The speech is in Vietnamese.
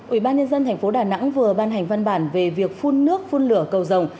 ubnd tp đà nẵng vừa ban hành văn bản về việc phun nước phun lửa cầu rồng